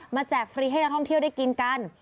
แจกฟรีให้นักท่องเที่ยวได้กินกัน